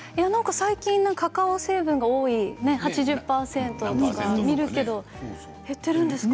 最近カカオ成分が多い８０％とか見るけれども減ってるんですかね。